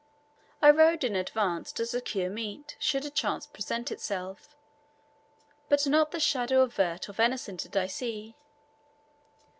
I rode in advance to secure meat should a chance present itself, but not the shadow of vert or venison did I see.